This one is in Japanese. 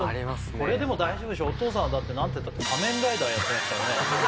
これでも大丈夫でしょうお父さんはだって何てったって仮面ライダーやってましたからね